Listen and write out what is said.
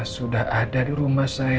sudah ada di rumah saya